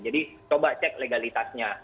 jadi coba cek legalitasnya